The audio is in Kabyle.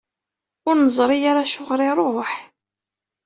Ur neẓri ara acuɣer i iṛuḥ?